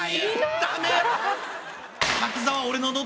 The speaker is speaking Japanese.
ダメ！